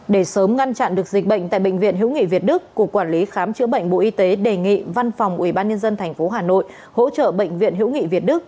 để sớm ngăn chặn được dịch bệnh tại bệnh viện hữu nghị việt đức cục quản lý khám chữa bệnh bộ y tế đề nghị văn phòng ubnd tp hà nội hỗ trợ bệnh viện hữu nghị việt đức